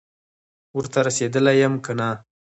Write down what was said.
ورته رسېدلی یم که نه،